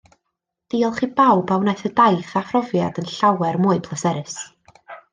Diolch i bawb a wnaeth y daith a phrofiad yn llawer mwy pleserus